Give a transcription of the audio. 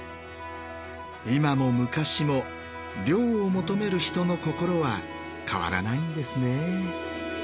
今も昔も涼を求める人の心は変わらないんですねぇ。